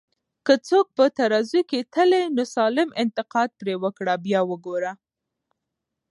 که څوک په ترازو کي تلې، نو سالم انتقاد پرې وکړه بیا وګوره